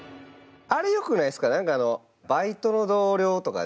あれよくないですか？